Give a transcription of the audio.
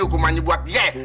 hukumannya buat dia